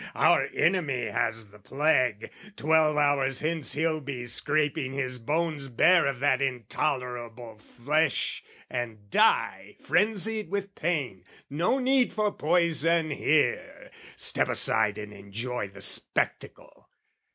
"Our enemy has the plague! "Twelve hours hence he'll be scraping his bones bare "Of that intolerable flesh, and die, "Frenzied with pain: no need for poison here! "Step aside and enjoy the spectacle!"